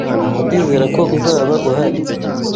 Ndizera ko uzaba uhari.